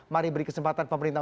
mari beri kesempatan pemerintahan